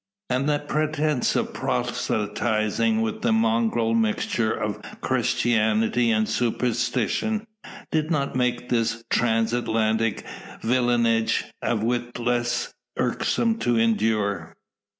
And the pretence at proselytising, with its mongrel mixture of Christianity and superstition, did not make this Transatlantic villeinage a whit less irksome to endure.